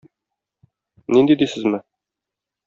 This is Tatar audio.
Нинди дисезме?